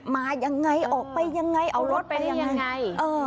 มายังไงออกไปยังไงเอารถไปยังไงเออ